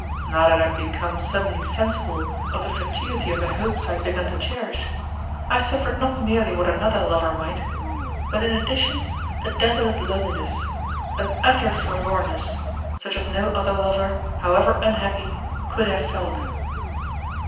Now that I had become suddenly sensible of the fatuity of the hopes I had begun to cherish, I suffered not merely what another lover might, but in addition a desolate loneliness, an utter forlornness, such as no other lover, however unhappy, could have felt.